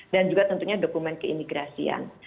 dan juga tentunya dokumen keimigrasian